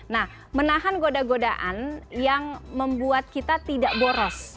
nah menahan goda godaan yang membuat kita tidak boros